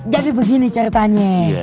jadi begini ceritanya